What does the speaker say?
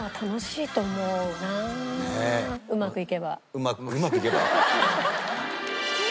「うまくいけば」？